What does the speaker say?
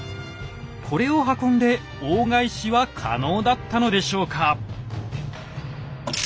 これを運んで大返しは可能だったのでしょうか？